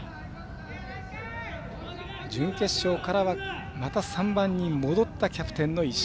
準決勝からは、また３番に戻ったキャプテンの石井。